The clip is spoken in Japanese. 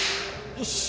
よし！